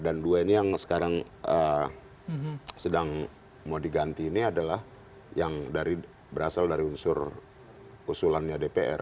dan dua ini yang sekarang sedang mau diganti ini adalah yang dari berasal dari unsur usulannya dpr